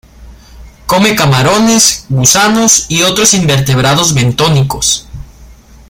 Come camarones, gusanos y otros invertebrados bentónicos.